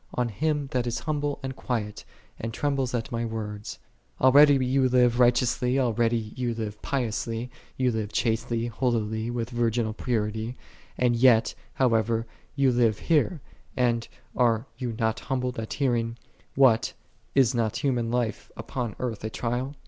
On him that is humble and quiet, and trembles at My words."6 Already thou livest righteously, already thou livest piously, thou livest chastely, holily, with vir ginal purity; as yet, however, thou livest here, and art thou not humbled at hearing, " What, is not human life upon earth a trial